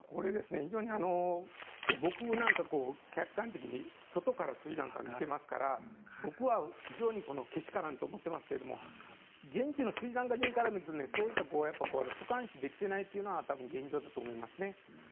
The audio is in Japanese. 非常に、僕なんか客観的に外からスリランカを見ていますから僕は非常にけしからんと思ってますけど現地のスリランカ人から見るとふかんできていないのが現状だと思いますね。